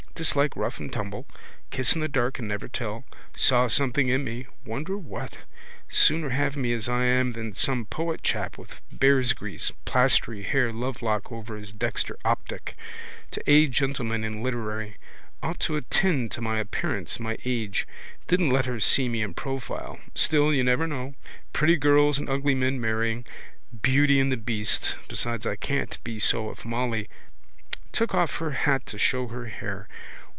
Dislike rough and tumble. Kiss in the dark and never tell. Saw something in me. Wonder what. Sooner have me as I am than some poet chap with bearsgrease plastery hair, lovelock over his dexter optic. To aid gentleman in literary. Ought to attend to my appearance my age. Didn't let her see me in profile. Still, you never know. Pretty girls and ugly men marrying. Beauty and the beast. Besides I can't be so if Molly. Took off her hat to show her hair.